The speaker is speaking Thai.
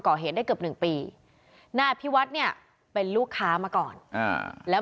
ก่อเหตุได้เกือบหนึ่งปีนายอภิวัฒน์เนี่ยเป็นลูกค้ามาก่อนแล้ว